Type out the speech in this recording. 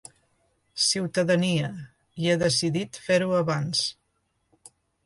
Ciutadania, i ha decidit fer-ho abans.